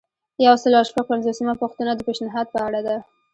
یو سل او شپږ پنځوسمه پوښتنه د پیشنهاد په اړه ده.